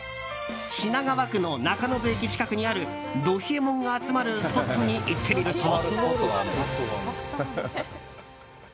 品川区の中延駅近くにあるど冷えもんが集まるスポットに行ってみると。